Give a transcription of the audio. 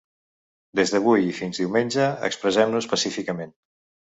Des d'avui i fins diumenge, expressem-nos pacíficament.